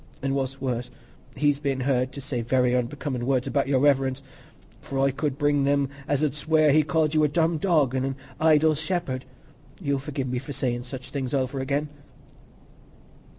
—and what's worse, he's been heard to say very unbecomin' words about Your Reverence; for I could bring them as 'ud swear as he called you a 'dumb dog,' an' a 'idle shepherd.' You'll forgi'e me for sayin' such things over again."